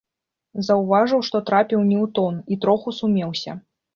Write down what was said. Заўважыў, што трапіў не ў тон, і троху сумеўся.